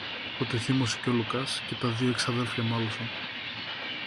Τότε θύμωσε και ο Λουκάς και τα δυο εξαδέλφια μάλωσαν